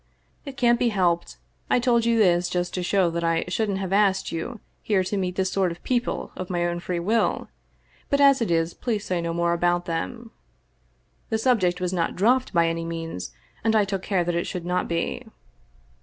" It can't be helped. I've told you this just to show that I shouldn't have asked you here to meet this sort of people of my own free will ; but, as it is, please say no more about them." The subject was not dropped by any means, and I took care that it should not be.